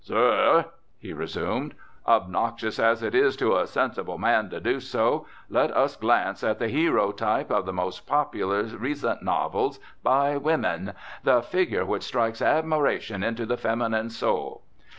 "Sir," he resumed, "obnoxious as it is to a sensible man to do so, let us glance at the hero type of the most popular recent novels by women, the figure which strikes admiration into the feminine soul.